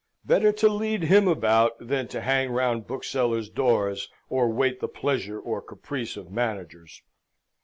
Better to lead him about, than to hang round booksellers' doors, or wait the pleasure or caprice of managers!